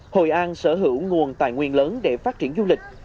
hội an sở hữu nguồn tài nguyên lớn để phát triển du lịch